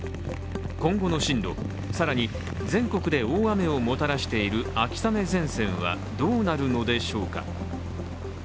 今後の進路、更に全国で大雨をもたらしている秋雨前線はどうなるのでしょうか。